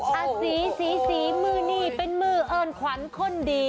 โอ้อ้าสีสีมื้อนี่เป็นมืออรรขวัญคนดี